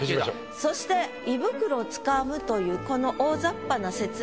そして「胃袋つかむ」というこのうわっ消えた。